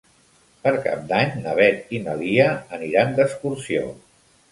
Per Cap d'Any na Beth i na Lia aniran d'excursió.